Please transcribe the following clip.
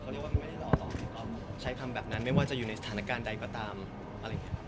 เขาเรียกว่ามันไม่ได้รอบที่กรอบเนี่ยครับเขาใช้คำแบบนั้นไม่ว่าจะอยู่ในสถานการณ์ใดกว่าตามอะไรอย่างเงี้ย